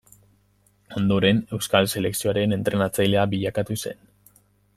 Ondoren Euskal selekzioaren entrenatzailea bilakatu zen.